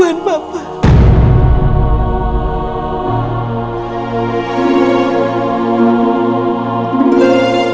itu ada perselingkuhan papa